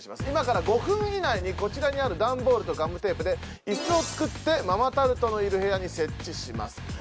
今から５分以内にこちらにある段ボールとガムテープで椅子を作ってママタルトのいる部屋に設置します。